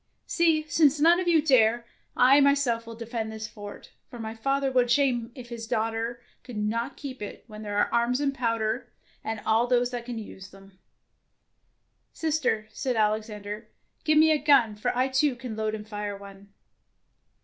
" See, since none of you dare, I my self will defend this fort, for my father would have shame if his daughter could not keep it, when there are arms and powder and those that can use them." "Sister," said Alexander, "give me a gun, for I too can load and fire one."